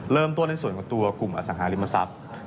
เริ่มต้นในส่วนของตัวกลุ่มอสังหาริมทรัพย์